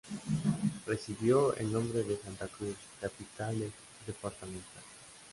Recibió el nombre de Santa Cruz, capital departamental.